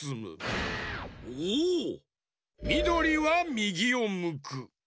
みどりはみぎをむく。